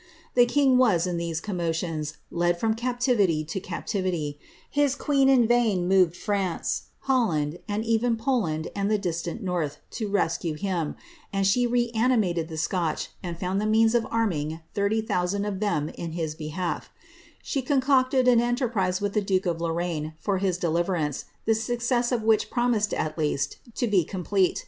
The king was, in these commotions, led from captivity to captivity: his queen in vain inove<l Prance, Holland, and even Poland and the di«iant north, to his rescue; she reanimated the Scotch.' and found the means of arming 3<J,iJ00 of them in liis behalf. She concocted an entcrpri:»e with the duke of Lorraine for his ds liverance, the ftucccits of which ])runii!ied, at leu^t, to be conqdeie.